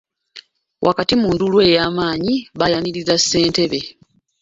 Wakati mu nduulu eyamanyi baayaniriza ssentebe.